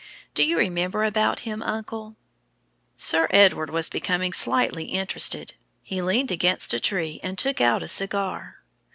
Do you remember about him, uncle?" Sir Edward was becoming slightly interested. He leaned against a tree and took out a cigar.